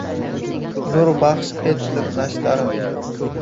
Nur baxsh etdi nashtarim.